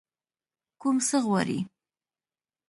کوم څه غواړئ؟